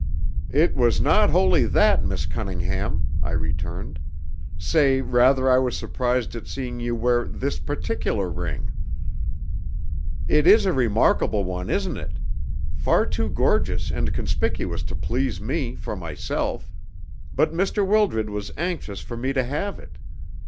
"It was not wholly that, Miss Cunningham," I returned. "Say, rather I was surprised at seeing you wear this particular ring." "It is a remarkable one, isn't it? Far too gorgeous and conspicuous to please me, for myself; but Mr. Wildred was anxious for me to have it.